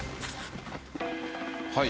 はい。